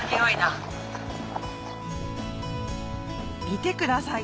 見てください